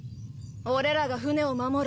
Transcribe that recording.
俺らが船を守る。